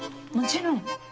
もちろん。